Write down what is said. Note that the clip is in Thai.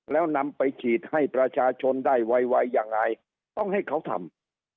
แล้วนำไปฉีดให้ประชาชนได้ไวยังไงต้องให้เขาทำ